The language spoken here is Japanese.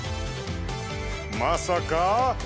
まさか？